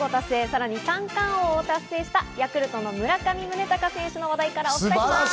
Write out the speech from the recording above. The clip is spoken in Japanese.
さらに三冠王も達成した、ヤクルトの村上宗隆選手の話題からお伝えします。